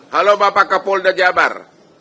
halo bapak bapak polda jabar